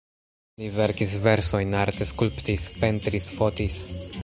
Li verkis versojn, arte skulptis, pentris, fotis.